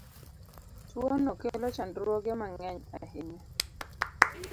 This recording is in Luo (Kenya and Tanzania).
Tuono kelo chandruoge ma ng'eny ahinya.